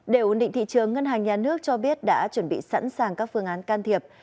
để ổn định thị trường ngân hàng nhà nước cho biết đã chuẩn bị sẵn sàng các phương án can thiệp